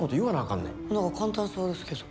何か簡単そうですけど。